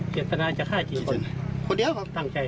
เจตนาจะฆ่าจีนคน